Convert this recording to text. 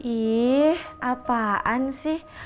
ih apaan sih